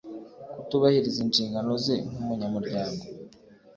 kutubahiriza inshingano ze nk'umunyamuryango